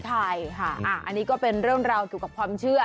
ใช่ค่ะอันนี้ก็เป็นเรื่องราวเกี่ยวกับความเชื่อ